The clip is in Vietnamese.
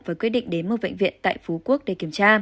và quyết định đến một bệnh viện tại phú quốc để kiểm tra